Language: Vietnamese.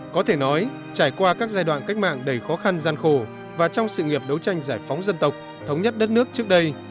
có thể nói trải qua các giai đoạn cách mạng đầy khó khăn gian khổ và trong sự nghiệp đấu tranh giải phóng dân tộc thống nhất đất nước trước đây